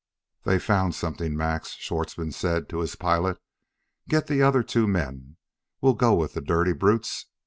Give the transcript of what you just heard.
"They've found something, Max," Schwartzmann said to his pilot. "Get the other two men. We'll go with the dirty brutes.